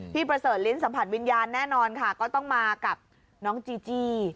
ประเสริฐลิ้นสัมผัสวิญญาณแน่นอนค่ะก็ต้องมากับน้องจีจี้